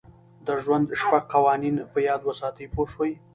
د ژوند شپږ قوانین په یاد وساتئ پوه شوې!.